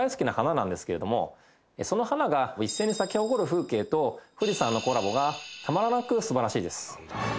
その花が一斉に咲き誇る風景と富士山のコラボがたまらなく素晴らしいです。